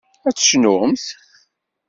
Ad tecnumt?